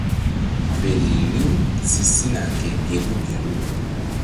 Feri riw si sina ke gelu gelu.